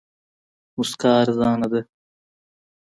موسکا ارزانه ده.